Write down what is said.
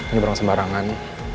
ini berang sembarangan